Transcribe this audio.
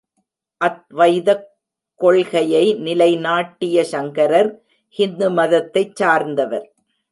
அத்வைதக் கொள்கையை நிலைநாட்டிய சங்கரர் ஹிந்து மதத்தைச் சார்ந்தவர்.